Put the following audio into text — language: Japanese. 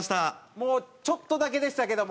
もうちょっとだけでしたけども。